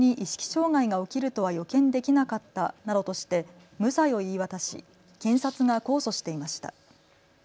障害が起きるとは予見できなかったなどとして無罪を言い渡し検察が控訴していました。